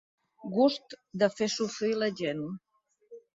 Gust de fer sofrir la gent.